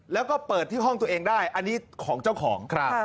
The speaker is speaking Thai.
แล้วก็เปิดที่ห้องตัวเองได้อันนี้ของเจ้าของ